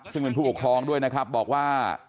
ซึ่งเป็นผู้ปกครองด้วยนะครับบอกว่า